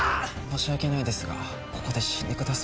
申し訳ないですがここで死んでください。